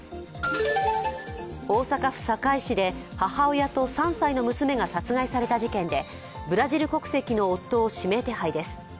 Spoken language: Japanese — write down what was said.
大阪府堺市で母親と３歳の娘が殺害された事件で、ブラジル国籍の夫を指名手配です。